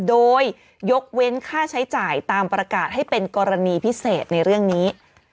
โดยยกเว้นค่าใช้จ่ายตามประกาศให้เป็นกรณีพิเศษในเรื่องนี้